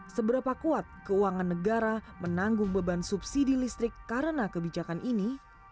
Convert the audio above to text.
seberapa kuat keuangan negara menanggung beban subsidi listrik karena kebijakan ini